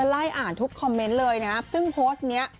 ไล่อ่านทุกคอมเมนต์เลยนะครับซึ่งโพสต์นี้